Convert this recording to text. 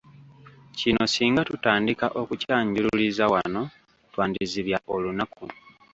Kino singa tutandika okukyanjululiza wano twandizibya olunaku!